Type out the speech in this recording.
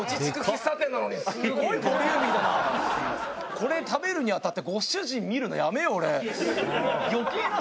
これ食べるにあたってご主人見るのやめよう